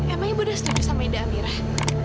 emang ibu udah sedih sama ide amirah